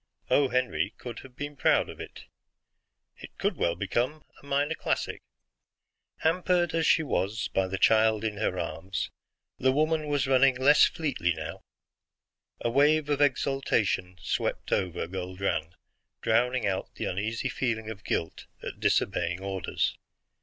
O. Henry could have been proud of it. It could well become a minor classic._ The Last Supper By T. D. Hamm Hampered as she was by the child in her arms, the woman was running less fleetly now. A wave of exultation swept over Guldran, drowning out the uneasy feeling of guilt at disobeying orders.